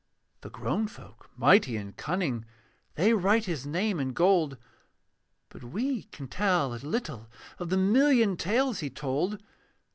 The grown folk mighty and cunning, They write his name in gold; But we can tell a little Of the million tales he told.